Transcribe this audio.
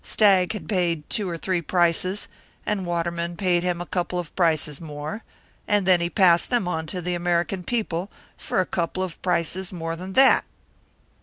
Stagg had paid two or three prices, and Waterman paid him a couple of prices more, and then he passed them on to the American people for a couple of prices more than that."